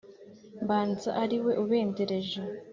mbanza ari we ubendereje